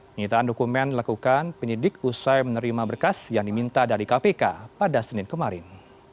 penyitaan dokumen dilakukan penyidik usai menerima berkas yang diminta dari kpk pada senin kemarin